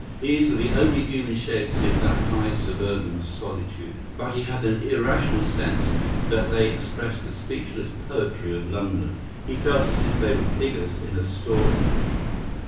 These were the only human shapes in that high suburban solitude; but he had an irrational sense that they expressed the speechless poetry of London. He felt as if they were figures in a story.